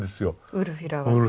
ウルフィラ。